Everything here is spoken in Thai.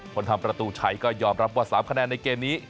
ทำประตูชัยก็ยอมรับว่า๓คะแนนในเกมนี้